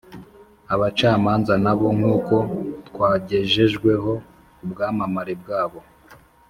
Abacamanza na bo, nk’uko twagejejweho ubwamamare bwabo,